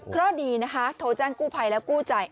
ก็ดีนะคะโทรแจ้งกู้ภัยและกู้จ่าย